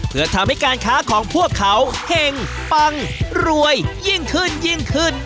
เพื่อทำให้การค้าของพวกเขาเห็งปังรวยยิ่งขึ้นยิ่งขึ้น